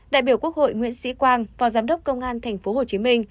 đại biểu quốc hội nguyễn sĩ quang phó giám đốc công an tp hcm